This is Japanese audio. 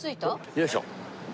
よいしょ。